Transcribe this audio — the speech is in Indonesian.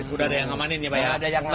udah ada yang ngamanin ya pak ya